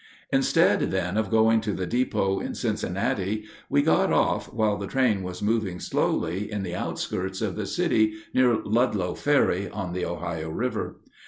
Instead, then, of going to the depot in Cincinnati, we got off, while the train was moving slowly, in the outskirts of the city, near Ludlow Ferry, on the Ohio River.